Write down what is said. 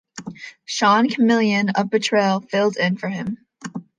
Sean Chamilian of Betrayal filled in for him.